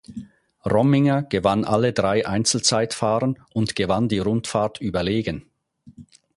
Rominger gewann alle drei Einzelzeitfahren und gewann die Rundfahrt überlegen.